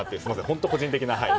本当に個人的な。